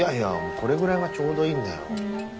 これぐらいがちょうどいいんだよ。